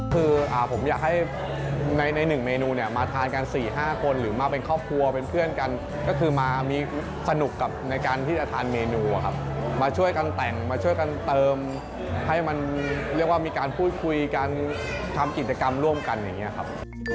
คือผมอยากให้ใน๑เมนูเนี่ยมาทานกัน๔๕คนหรือมาเป็นครอบครัวเป็นเพื่อนกันก็คือมามีสนุกกับในการที่จะทานเมนูอะครับมาช่วยกันแต่งมาช่วยกันเติมให้มันเรียกว่ามีการพูดคุยกันทำกิจกรรมร่วมกันอย่างนี้ครับ